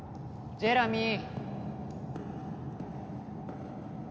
ジェラミー！